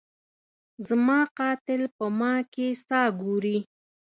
زما قاتل په ما کي ساه ګوري